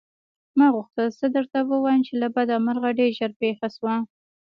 ما غوښتل څه درته ووايم چې له بده مرغه ډېر ژر پېښه شوه.